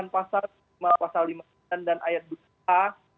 pasal lima dan ayat dua